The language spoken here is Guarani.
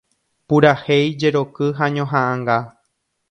Purahéi, jeroky ha ñoha'ãnga.